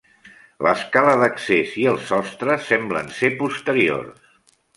L'escala d'accés i el sostre semblen ser posteriors.